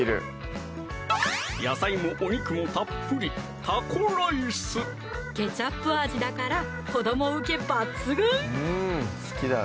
野菜もお肉もたっぷりケチャップ味だから子どもウケ抜群！